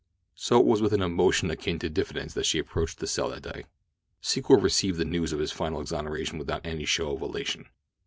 So it was with an emotion akin to diffidence that she approached his cell that day. Secor received the news of his final exoneration without any show of elation.